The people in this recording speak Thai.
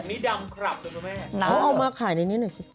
นี่ดำครับด้วยคุณแม่น้ำเขาเอาเมื่อขายในนี้หน่อยสิ